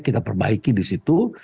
kita perbaiki di situ